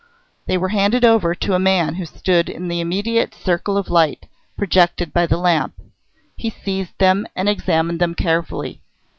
They were handed over to a man who stood in the immediate circle of light projected by the lamp. He seized them and examined them carefully.